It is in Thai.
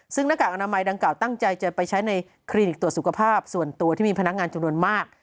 ซึ่งหน้ากากอนามัยดังกล่าตั้งใจจะไปใช้ในคลินิกตรวจสุขภาพส่วนตัวที่มีพนักงานจำนวนมาก